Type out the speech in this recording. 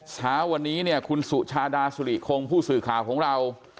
เช้าวันนี้เนี่ยคุณสุชาดาสุริคงผู้สื่อข่าวของเรา